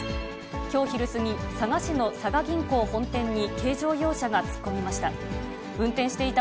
きょう昼過ぎ、佐賀市の佐賀銀行本店に軽乗用車が突っ込みました。